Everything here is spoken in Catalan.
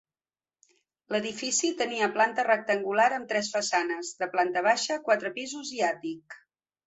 L'edifici tenia planta rectangular amb tres façanes, de planta baixa, quatre pisos i àtic.